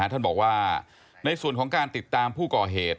ท่านบอกว่าในส่วนของการติดตามผู้ก่อเหตุ